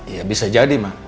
ya bisa jadi ma